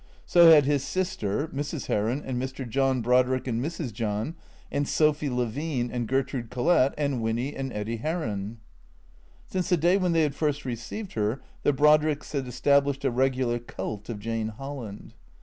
So had his sister, Mrs. Heron, and Mr. John Brodrick and Mrs. John, and Sophy Levine and Gertrude Collett, and Winny and Eddy Heron. Since the day when they had first received her, the Brodricks had established a regular cult of Jane Holland.